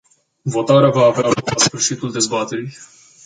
Votarea va avea loc la sfârșitul dezbaterii.